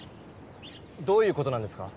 どういう事なんですか？